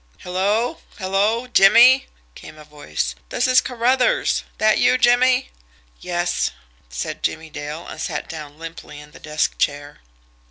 "Hello! Hello! Jimmie!" came a voice. "This is Carruthers. That you, Jimmie?" "Yes," said Jimmie Dale and sat down limply in the desk chair.